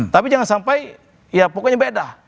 tapi jangan sampai ya pokoknya beda